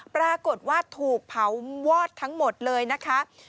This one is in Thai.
ปรากฏว่าถูกเผาวอดทั้งหมดเลยนะคะ